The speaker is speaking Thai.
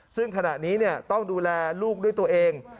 ซึ่งขณะนี้ต้องดูแลลูกด้วยตัวเอง